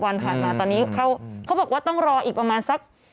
วันผ่านมาตอนนี้เขาบอกว่าต้องรออีกประมาณสัก